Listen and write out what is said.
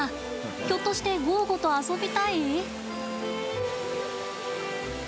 ひょっとしてゴーゴと遊びたい？